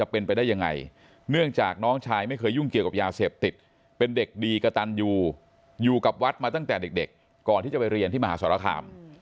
เป็นเด็กดีกระตันอยู่อยู่กับวัดมาตั้งแต่เด็กก่อนที่จะไปเรียนที่มหาสรคาม